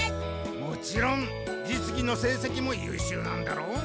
もちろん実技の成績もゆうしゅうなんだろう？